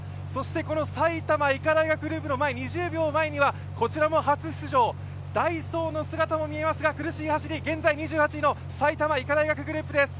この埼玉医科大学グループの２０秒前には、こちらも初出場ダイソーの姿も見えますが、現在２８位の埼玉医科大学グループです。